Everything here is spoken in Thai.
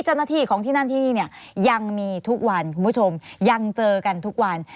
เจ้าหน้าที่ของที่นั่นที่นี่เนี่ยยังมีทุกวันคุณผู้ชมยังเจอกันทุกวัน